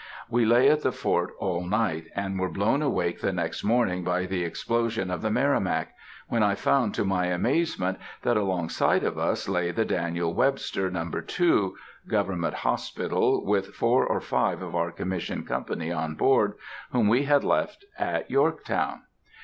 We lay at the fort all night, and were blown awake the next morning by the explosion of the Merrimack, when I found to my amazement that along side of us lay the Daniel Webster, No. 2, Government hospital, with four or five of our Commission company on board, whom we had left at Yorktown.